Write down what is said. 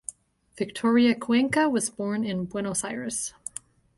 Victoria Cuenca was born in Buenos Aires.